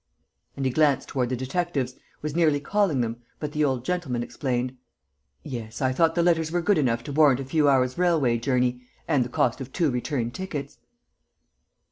And he glanced toward the detectives, was nearly calling them, but the old gentleman explained: "Yes, I thought the letters were good enough to warrant a few hours' railway journey and the cost of two return tickets."